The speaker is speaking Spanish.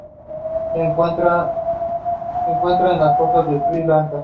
Se encuentra en las costas de Sri Lanka.